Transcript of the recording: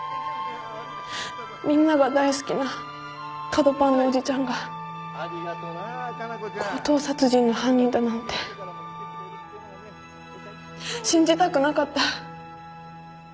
みんなが大好きなカドパンのおじちゃんが強盗殺人の犯人だなんて信じたくなかった。